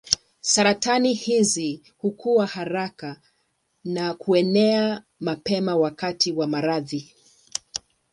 Saratani hizi hukua haraka na kuenea mapema wakati wa maradhi.